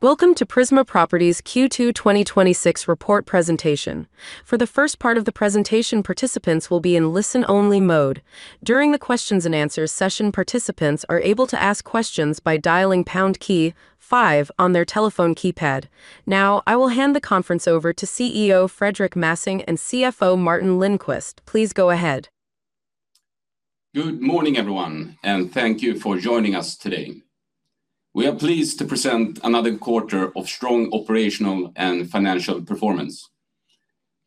Welcome to Prisma Properties Q2 2026 report presentation. For the first part of the presentation, participants will be in listen-only mode. During the questions and answers session, participants are able to ask questions by dialing pound key five on their telephone keypad. Now, I will hand the conference over to CEO Fredrik Mässing and CFO Martin Lindqvist. Please go ahead. Good morning, everyone, thank you for joining us today. We are pleased to present another quarter of strong operational and financial performance.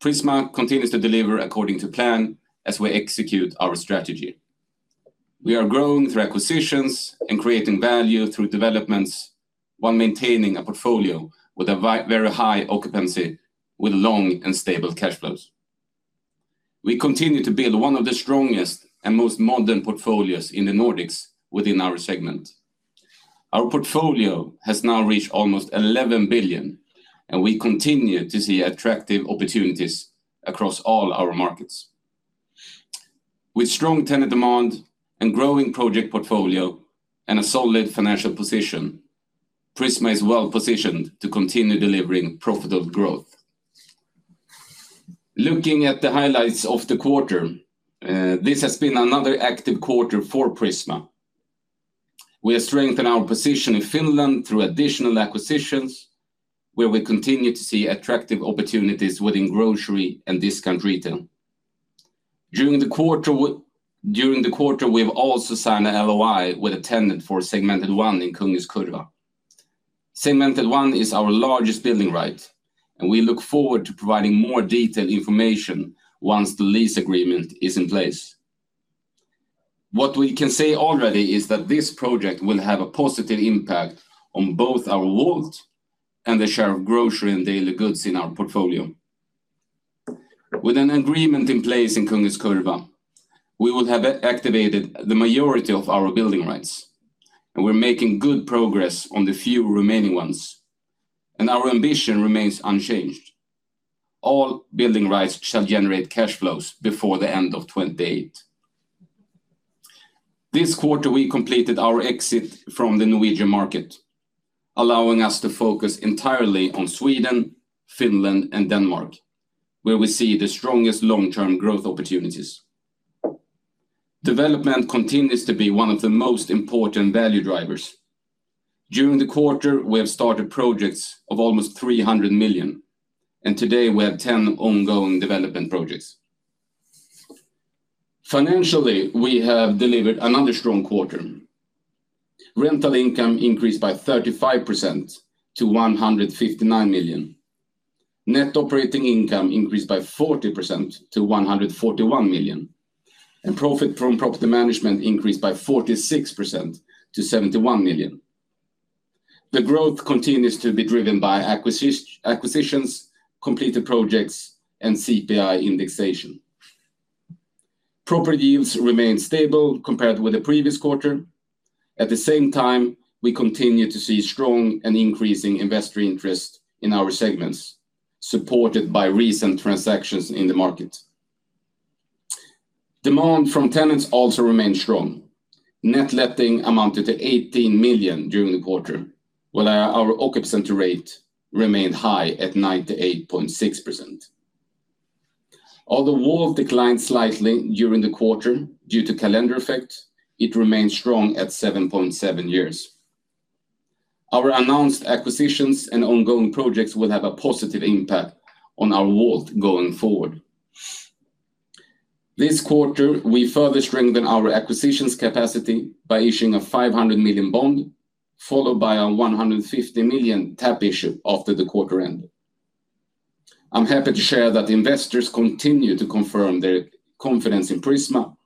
Prisma continues to deliver according to plan as we execute our strategy. We are growing through acquisitions and creating value through developments while maintaining a portfolio with a very high occupancy, with long and stable cash flows. We continue to build one of the strongest and most modern portfolios in the Nordics within our segment. Our portfolio has now reached almost 11 billion, we continue to see attractive opportunities across all our markets. With strong tenant demand and growing project portfolio and a solid financial position, Prisma is well-positioned to continue delivering profitable growth. Looking at the highlights of the quarter, this has been another active quarter for Prisma. We have strengthened our position in Finland through additional acquisitions, where we continue to see attractive opportunities within grocery and discount retail. During the quarter, we've also signed an LOI with a tenant for Segmentet 1 in Kungens Kurva. Segmentet 1 is our largest building right, and we look forward to providing more detailed information once the lease agreement is in place. What we can say already is that this project will have a positive impact on both our WAULT and the share of grocery and daily goods in our portfolio. With an agreement in place in Kungens Kurva, we will have activated the majority of our building rights, and we're making good progress on the few remaining ones. Our ambition remains unchanged. All building rights shall generate cash flows before the end of 2028. This quarter, we completed our exit from the Norwegian market, allowing us to focus entirely on Sweden, Finland, and Denmark, where we see the strongest long-term growth opportunities. Development continues to be one of the most important value drivers. During the quarter, we have started projects of almost 300 million, and today we have 10 ongoing development projects. Financially, we have delivered another strong quarter. Rental income increased by 35% to 159 million. Net operating income increased by 40% to 141 million, and profit from property management increased by 46% to 71 million. The growth continues to be driven by acquisitions, completed projects, and CPI indexation. Property yields remain stable compared with the previous quarter. At the same time, we continue to see strong and increasing investor interest in our segments, supported by recent transactions in the market. Demand from tenants also remains strong. Net letting amounted to 18 million during the quarter, while our occupancy rate remained high at 98.6%. Although WAULT declined slightly during the quarter due to calendar effect, it remains strong at 7.7 years. Our announced acquisitions and ongoing projects will have a positive impact on our WAULT going forward. This quarter, we further strengthened our acquisitions capacity by issuing a 500 million bond, followed by a 150 million tap issue after the quarter end. I'm happy to share that investors continue to confirm their confidence in Prisma,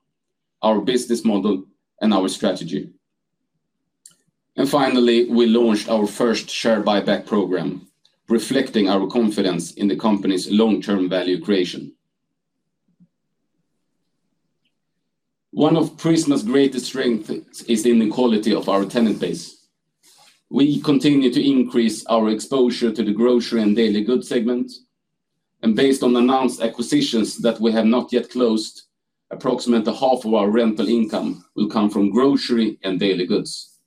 our business model, and our strategy. Finally, we launched our first share buyback program, reflecting our confidence in the company's long-term value creation. One of Prisma's greatest strengths is in the quality of our tenant base. We continue to increase our exposure to the grocery and daily goods segment. Based on announced acquisitions that we have not yet closed, approximately half of our rental income will come from grocery and daily goods.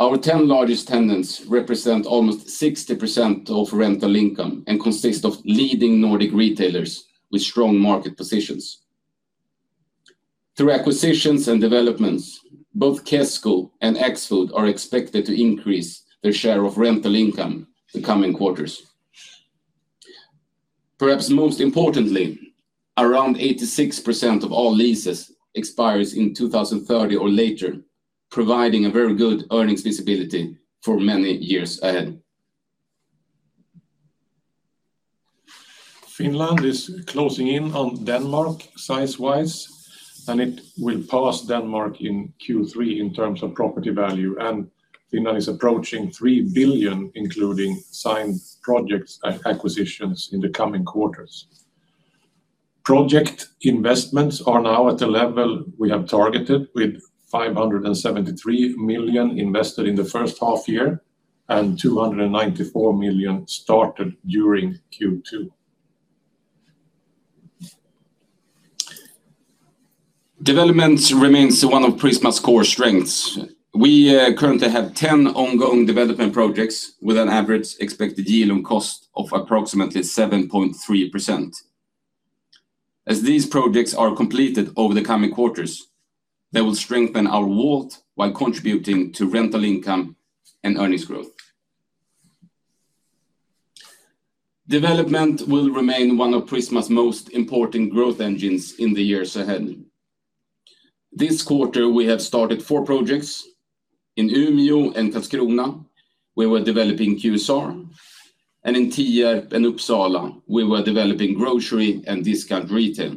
Our 10 largest tenants represent almost 60% of rental income and consist of leading Nordic retailers with strong market positions. Through acquisitions and developments, both Kesko and Axfood are expected to increase their share of rental income the coming quarters. Perhaps most importantly, around 86% of all leases expires in 2030 or later, providing a very good earnings visibility for many years ahead. Finland is closing in on Denmark size-wise. It will pass Denmark in Q3 in terms of property value. Finland is approaching 3 billion, including signed projects and acquisitions in the coming quarters. Project investments are now at the level we have targeted, with 573 million invested in the first half year and 294 million started during Q2. Development remains one of Prisma's core strengths. We currently have 10 ongoing development projects with an average expected yield on cost of approximately 7.3%. As these projects are completed over the coming quarters, they will strengthen our WAULT while contributing to rental income and earnings growth. Development will remain one of Prisma's most important growth engines in the years ahead. This quarter, we have started four projects. In Umeå and Karlskrona, we were developing QSR. In Tierp and Uppsala, we were developing grocery and discount retail.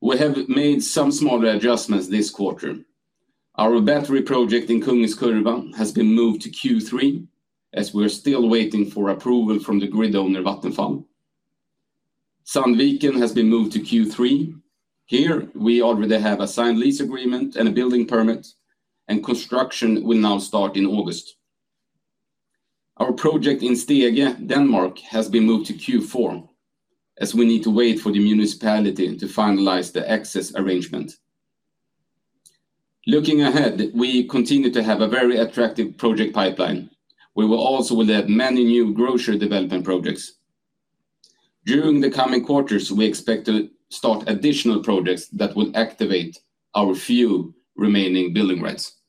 We have made some smaller adjustments this quarter. Our battery project in Kungens Kurva has been moved to Q3, as we're still waiting for approval from the grid owner Vattenfall. Sandviken has been moved to Q3. Here, we already have a signed lease agreement and a building permit. Construction will now start in August. Our project in Stege, Denmark has been moved to Q4, as we need to wait for the municipality to finalize the access arrangement. Looking ahead, we continue to have a very attractive project pipeline. We will also add many new grocery development projects. During the coming quarters, we expect to start additional projects that will activate our few remaining building rights.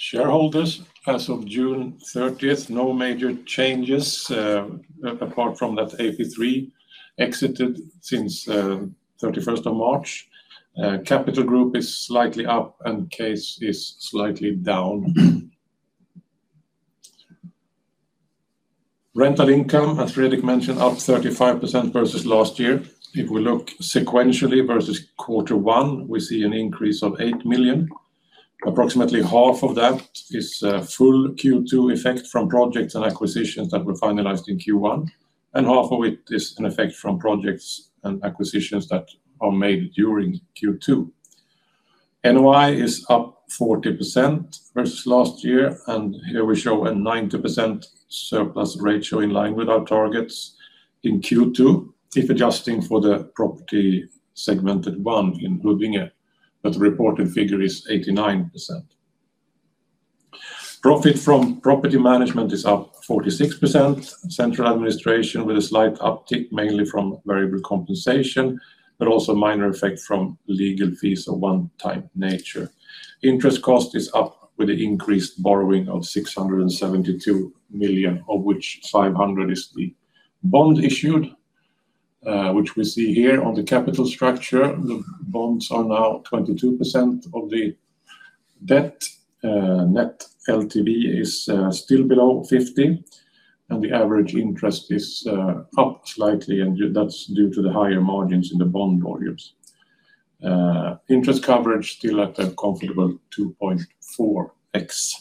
Shareholders as of June 30th, no major changes apart from that AP3 exited since 31st of March. Capital Group is slightly up, and Case is slightly down. Rental income, as Fredrik mentioned, up 35% versus last year. We look sequentially versus quarter one, we see an increase of 8 million. Approximately half of that is a full Q2 effect from projects and acquisitions that were finalized in Q1, and half of it is an effect from projects and acquisitions that are made during Q2. NOI is up 40% versus last year, and here we show a 90% surplus ratio in line with our targets in Q2. Adjusting for the property Segmentet 1 in Huddinge, but the reported figure is 89%. Profit from property management is up 46%. Central administration with a slight uptick, mainly from variable compensation, also a minor effect from legal fees of one-time nature. Interest cost is up with the increased borrowing of 672 million, of which 500 million is the bond issued, which we see here on the capital structure. The bonds are now 22% of the debt. Net LTV is still below 50%, the average interest is up slightly, and that's due to the higher margins in the bond volumes. Interest coverage still at a comfortable 2.4x.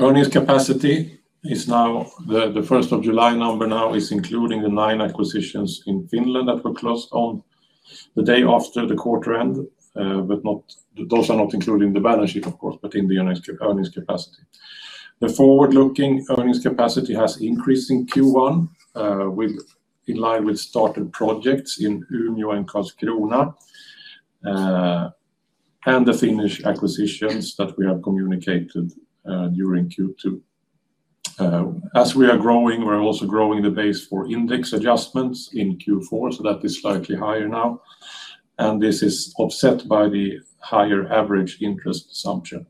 Earnings capacity, the 1st of July number now is including the nine acquisitions in Finland that were closed on the day after the quarter end. Those are not included in the balance sheet, of course, but in the earnings capacity. The forward-looking earnings capacity has increased in Q1, in line with started projects in Umeå and Karlskrona, and the Finnish acquisitions that we have communicated during Q2. We are growing, we're also growing the base for index adjustments in Q4, that is slightly higher now, and this is offset by the higher average interest assumption.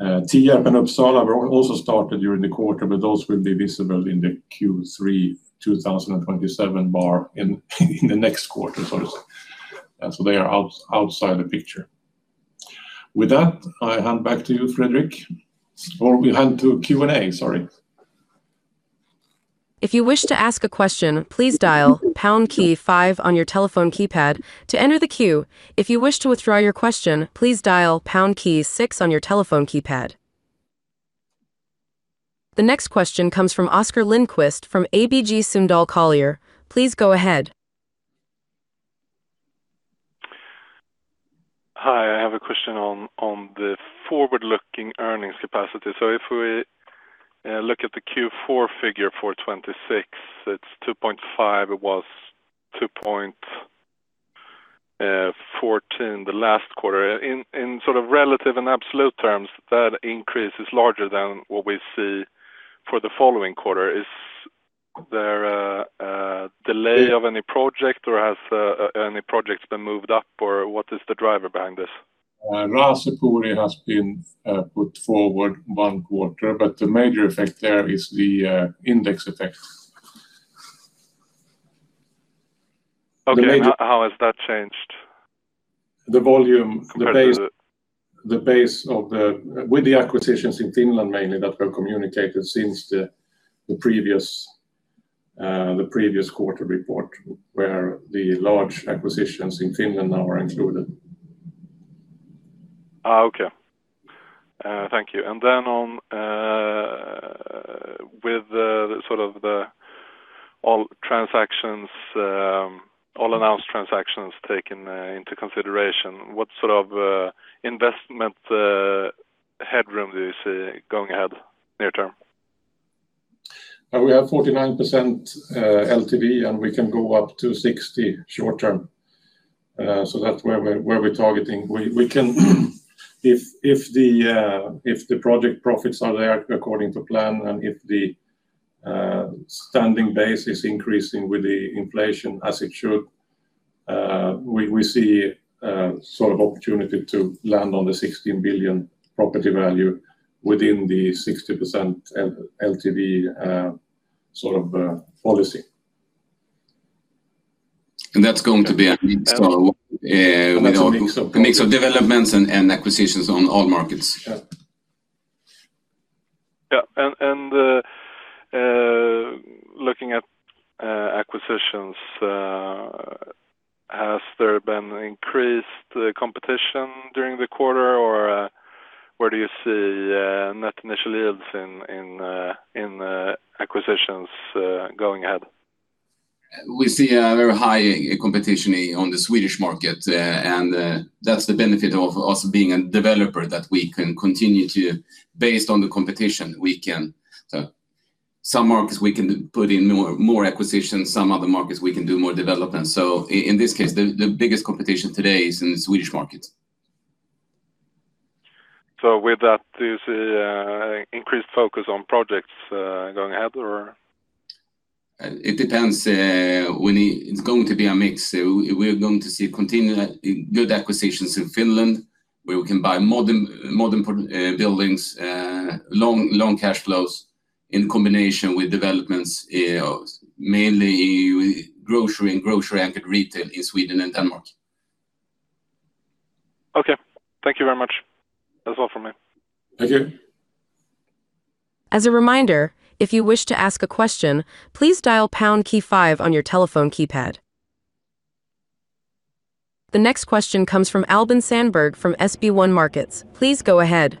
Tierp and Uppsala were also started during the quarter, those will be visible in the Q3 2027 bar in the next quarter, so to say. They are outside the picture. With that, I hand back to you, Fredrik. We hand to Q&A, sorry. If you wish to ask a question, please dial pound key five on your telephone keypad to enter the queue. If you wish to withdraw your question, please dial pound key six on your telephone keypad. The next question comes from Oscar Lindquist from ABG Sundal Collier. Please go ahead. Hi, I have a question on the forward-looking earnings capacity. If we look at the Q4 figure for 2026, it is 2.5 million. It was 2.14 million the last quarter. In relative and absolute terms, that increase is larger than what we see for the following quarter. Is there a delay of any project, or have any projects been moved up? Or what is the driver behind this? Raasepori has been put forward one quarter, but the major effect there is the index effect. Okay. How has that changed the volume? With the acquisitions in Finland, mainly that were communicated since the previous quarter report, where the large acquisitions in Finland now are included. Okay. Thank you. With all announced transactions taken into consideration, what sort of investment headroom do you see going ahead near term? We have 49% LTV, and we can go up to 60% short term. That's where we're targeting. We can if the project profits are there according to plan, and if the standing base is increasing with the inflation as it should. We see opportunity to land on the 16 billion property value within the 60% LTV policy. That's going to be a mix of- That's a mix of- A mix of developments and acquisitions on all markets. Yeah. Looking at acquisitions, has there been increased competition during the quarter? Or where do you see net initial yields in acquisitions going ahead? We see a very high competition on the Swedish market. That's the benefit of us being a developer that we can continue to based on the competition. Some markets we can put in more acquisitions, some other markets we can do more development. In this case, the biggest competition today is in the Swedish market. With that, do you see increased focus on projects going ahead or? It depends. It's going to be a mix. We're going to see continued good acquisitions in Finland, where we can buy modern buildings, long cash flows in combination with developments, mainly grocery and grocery-anchored retail in Sweden and Denmark. Okay. Thank you very much. That's all from me. Thank you. As a reminder, if you wish to ask a question, please dial pound key five on your telephone keypad. The next question comes from Albin Sandberg from SB1 Markets. Please go ahead.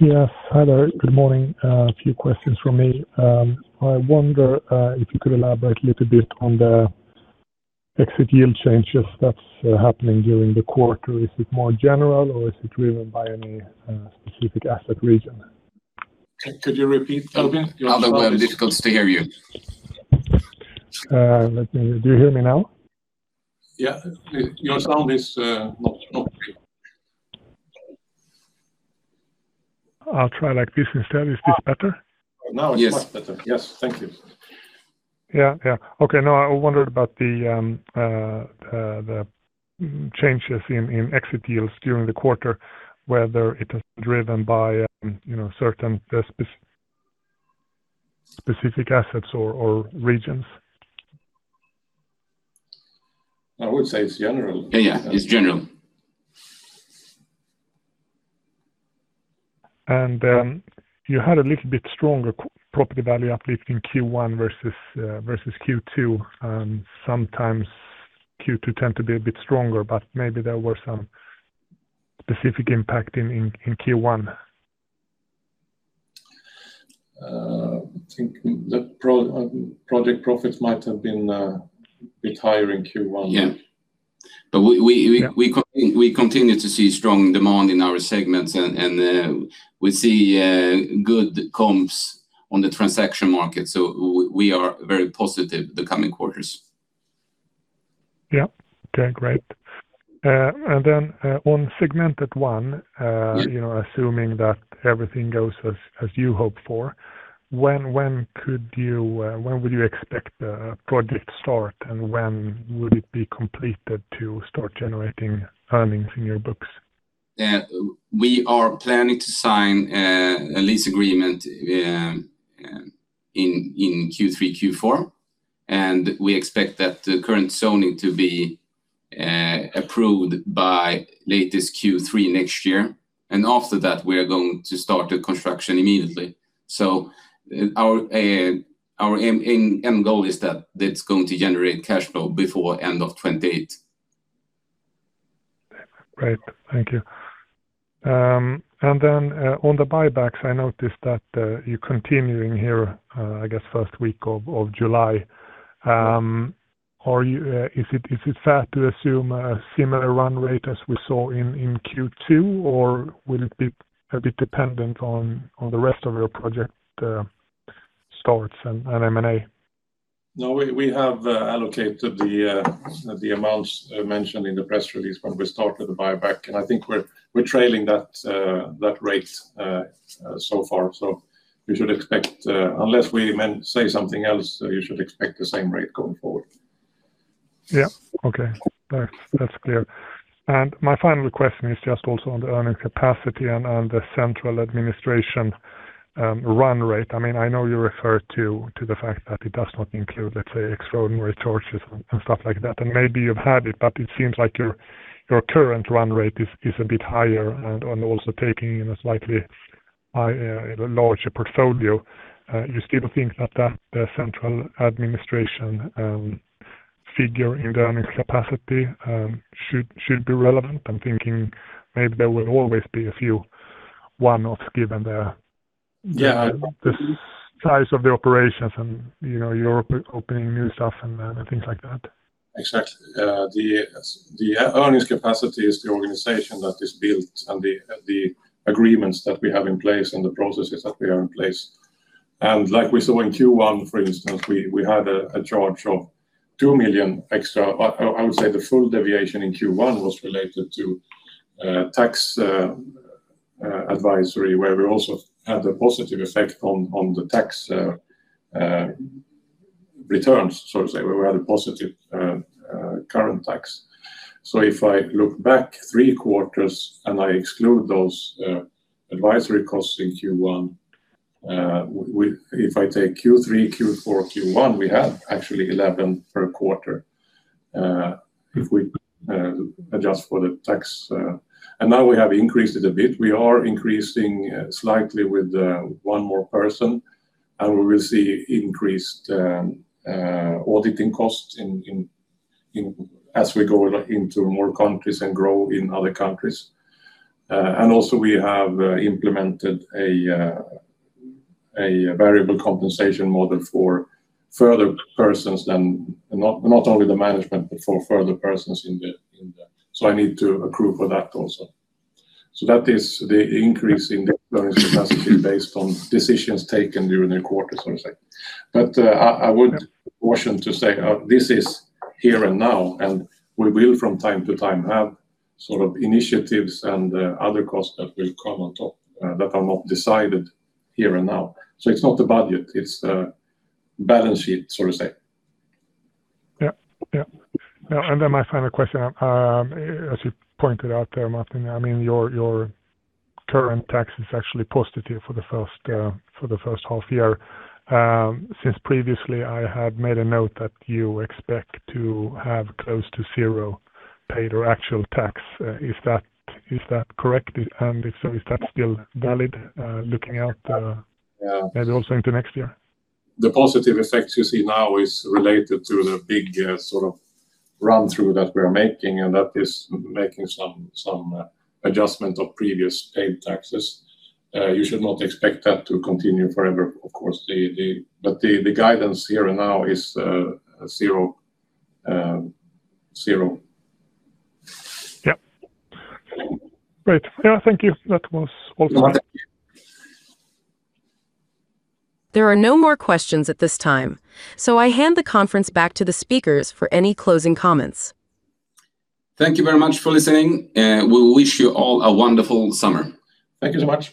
Yes. Hi there. Good morning. A few questions from me. I wonder if you could elaborate a little bit on the exit yield changes that's happening during the quarter. Is it more general? Or is it driven by any specific asset region? Could you repeat, Albin? Your sound is- Albin, we have difficulties to hear you. Do you hear me now? Yeah. Your sound is not okay. I'll try like this instead. Is this better? Now it's much better. Yes. Yes. Thank you. I wondered about the changes in exit yields during the quarter, whether it is driven by certain specific assets or regions? I would say it's general. Yeah. It's general. You had a little bit stronger property value uplift in Q1 versus Q2, and sometimes Q2 tend to be a bit stronger, but maybe there were some specific impact in Q1? I think the project profits might have been a bit higher in Q1. Yeah. Continue to see strong demand in our segments, and we see good comps on the transaction market, so we are very positive the coming quarters. Yeah. Okay, great. On Segmentet 1, assuming that everything goes as you hope for, when would you expect the project start, and when would it be completed to start generating earnings in your books? We are planning to sign a lease agreement in Q3, Q4. We expect that the current zoning to be approved by latest Q3 next year. After that, we are going to start the construction immediately. Our end goal is that it's going to generate cash flow before end of 2028. Great. Thank you. On the buybacks, I noticed that you're continuing here, I guess, first week of July. Is it fair to assume a similar run rate as we saw in Q2? Or will it be a bit dependent on the rest of your project starts and M&A? No, we have allocated the amounts mentioned in the press release when we started the buyback. I think we're trailing that rate so far. You should expect, unless we say something else, you should expect the same rate going forward. Yeah. Okay. That's clear. My final question is just also on the earning capacity and on the central administration run rate. I know you referred to the fact that it does not include, let's say, extraordinary charges and stuff like that. Maybe you've had it, but it seems like your current run rate is a bit higher and on also taking in a slightly larger portfolio. You still think that the central administration figure in the earnings capacity should be relevant? I'm thinking maybe there will always be a few one-offs given the the size of the operations and you're opening new stuff and things like that? Exactly. The earnings capacity is the organization that is built and the agreements that we have in place and the processes that we have in place. Like we saw in Q1, for instance, we had a charge of 2 million extra. I would say the full deviation in Q1 was related to tax advisory, where we also had a positive effect on the tax returns, so to say, where we had a positive current tax. If I look back three quarters and I exclude those advisory costs in Q1, if I take Q3, Q4, Q1, we have actually 11 per quarter if we adjust for the tax. Now we have increased it a bit. We are increasing slightly with one more person, and we will see increased auditing costs as we go into more countries and grow in other countries. Also we have implemented a variable compensation model for further persons than not only the management, but for further persons. I need to accrue for that also. That is the increase in the earnings capacity based on decisions taken during the quarter, so to say. I would caution to say this is here and now, and we will from time to time have sort of initiatives and other costs that will come on top that are not decided here and now. It's not the budget, it's the balance sheet, so to say. Yeah. My final question, as you pointed out there, Martin, your current tax is actually positive for the first half year. Since previously I had made a note that you expect to have close to zero paid or actual tax. Is that correct? If so, is that still valid looking out? Yeah. Maybe also into next year? The positive effects you see now is related to the big sort of run-through that we're making, and that is making some adjustment of previous paid taxes. You should not expect that to continue forever, of course. The guidance here and now is zero. Yeah. Great. Thank you. That was all from me. There are no more questions at this time, I hand the conference back to the speakers for any closing comments. Thank you very much for listening. We wish you all a wonderful summer. Thank you so much.